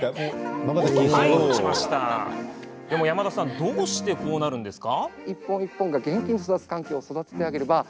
山田さん、どうしてこうなるんですか？